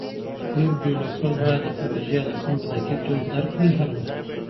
ویب ډیولپر باید د پروژې هدفونه په دقیق ډول درک کړي هر وخت.